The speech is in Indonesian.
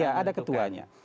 ya ada ketuanya